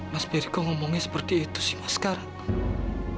mas beri kok ngomongnya seperti itu sih mas sekarang